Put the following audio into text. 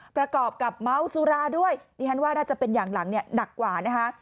ประกอบกับเมาสุราด้วยดิฉันว่าน่าจะเป็นอย่างหลังเนี่ยหนักกว่านะคะ